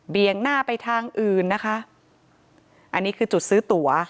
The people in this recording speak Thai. งหน้าไปทางอื่นนะคะอันนี้คือจุดซื้อตั๋ว